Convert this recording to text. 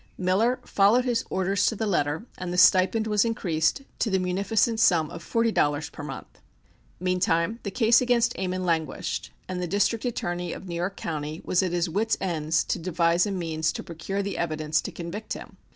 Miller followed his orders to the letter, and the stipend was increased to the munificent sum of forty dollars per month. Meantime the case against Ammon languished and the District Attorney of New York County was at his wits' end to devise a means to procure the evidence to convict him.